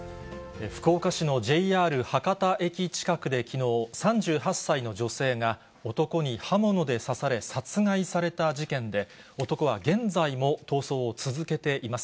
福岡市のＪＲ博多駅近くできのう、３８歳の女性が男に刃物で刺され、殺害された事件で、男は現在も逃走を続けています。